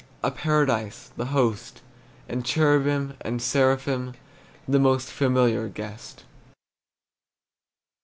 A paradise, the host, And cherubim and seraphim The most familiar guest.